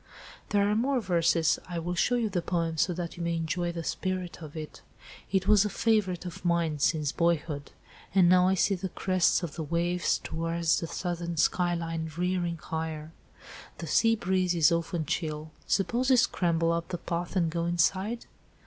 "There are more verses; I will show you the poem so that you may enjoy the spirit of it. It was a favourite of mine, since boyhood. And now I see the crests of the waves towards the southern skyline, rearing higher. The sea breeze is often chill. Suppose we scramble up the path and go inside?"